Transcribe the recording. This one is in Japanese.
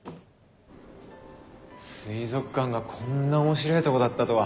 水族館がこんなおもしれぇとこだったとは。